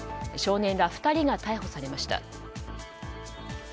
少年ら２人が逮捕されました。